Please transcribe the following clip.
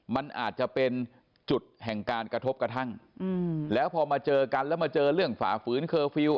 มันอาจจะเป็นจุดแห่งการกระทบกระทั่งแล้วพอมาเจอกันแล้วมาเจอเรื่องฝ่าฝืนเคอร์ฟิลล